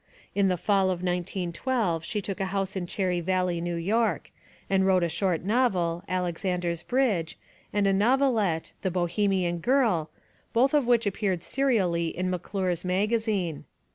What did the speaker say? In the fall of 1912 she took a house in Cherry Valley, New York, and wrote a short novel, Alexander's Bridge, and a novelette, The Bohemian Girl, both of which appeared serially in McClure's Magazine.